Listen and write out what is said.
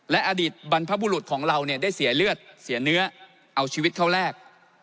และอดีตบรรพบุรุษของเราเนี่ยได้เสียเลือดเสียเนื้อเอาชีวิตเข้าแลก